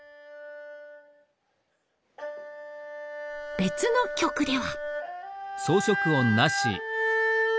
別の曲では。